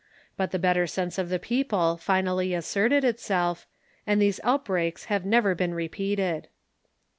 But the better sense of the people finally asserted itself, and these outbreaks have never been repeated.